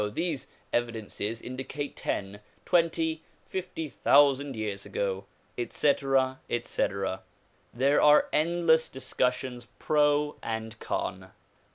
these evidences indicate ten, twenty, fifty thousand years ago," etc., etc. There are endless discussions pro and con.